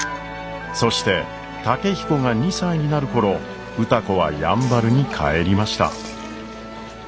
そして健彦が２歳になる頃歌子はやんばるに帰りました。